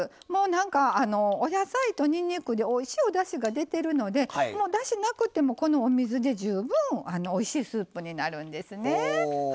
なんかお野菜と、にんにくでおいしいお味が出てるのでだしなくても、このお水で十分、おいしいスープになるんですね。